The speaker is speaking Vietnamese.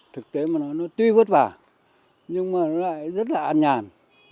thực tế mà nói nó tuy vất vả nhưng mà nó lại rất là ăn nhàn